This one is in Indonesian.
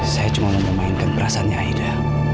saya cuma mau memainkan perasanya aida